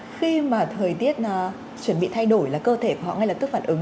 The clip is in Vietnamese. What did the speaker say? khi mà thời tiết chuẩn bị thay đổi là cơ thể của họ ngay lập tức phản ứng